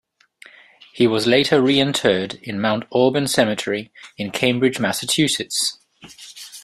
He was later reinterred in Mount Auburn Cemetery in Cambridge, Massachusetts.